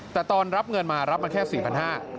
แต่ตอนรับเงินมารับมาแค่๔๕๐๐บาท